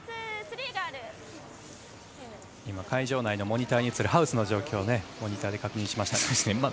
会場内のモニターに映るハウスの状況をモニターで確認しましたね。